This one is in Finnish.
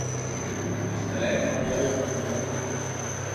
Puhdistelee marjoja mummolle.